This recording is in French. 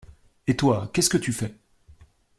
Et toi, qu’est-ce que tu fais?